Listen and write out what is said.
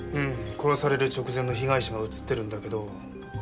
殺される直前の被害者が映ってるんだけど。